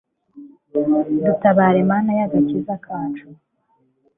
Dutabare Mana y’agakiza kacu